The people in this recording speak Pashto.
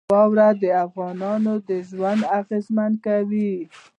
واوره د افغانانو ژوند اغېزمن کوي.